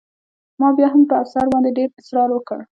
ما بیا هم په افسر باندې ډېر اسرار وکړ